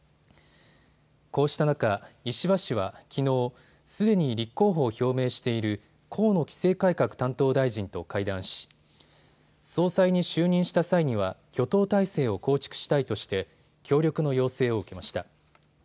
こうした中、石破氏はきのう、すでに立候補を表明している河野規制改革担当大臣と会談し総裁に就任した際には挙党態勢を構築したいとして協力の要請を受けました。